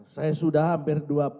saya sudah hampir